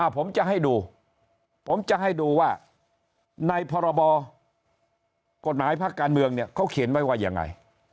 ผมจะให้ดูผมจะให้ดูว่าในพรบกฎหมายพักการเมืองเนี่ยเขาเขียนไว้ว่ายังไง